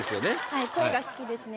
はい声が好きですね